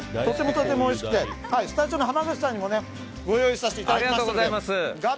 とてもおいしくてスタジオの濱口さんにもご用意させていただきました。